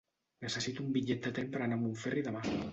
Necessito un bitllet de tren per anar a Montferri demà.